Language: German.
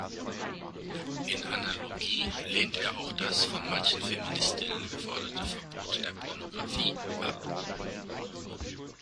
In Analogie lehnt er auch das von manchen Feministinnen geforderte Verbot der Pornografie ab.